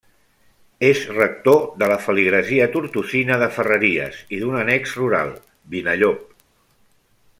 És rector de la feligresia tortosina de Ferreries i d'un annex rural, Vinallop.